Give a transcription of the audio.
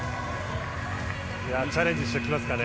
チャレンジしてきますかね。